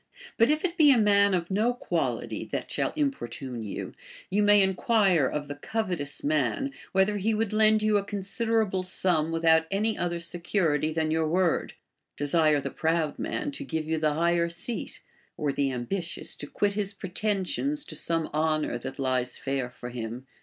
But if it be a man of no quality that shall importune you, you may enquire of the covetous man, whether he would lend you a considerable sum without any other secu rity than your word ; desire the proud man to give you the higher seat ; or the ambitious, to quit his ju etensions to some honor that lies fair for him.